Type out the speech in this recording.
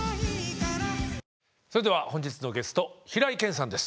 それでは本日のゲスト平井堅さんです